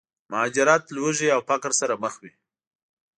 مهاجرت، لوږې او فقر سره مخ وي.